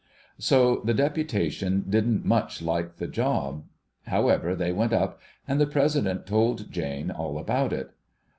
So the deputation didn't much like the job. However, they went up, and the President told Jane all about it.